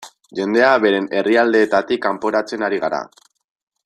Jendea beren herrialdeetatik kanporatzen ari gara.